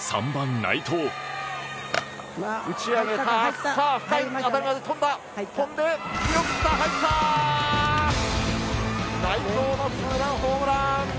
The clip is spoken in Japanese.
内藤のツーランホームラン！